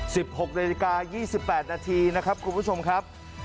หกนาฬิกายี่สิบแปดนาทีนะครับคุณผู้ชมครับ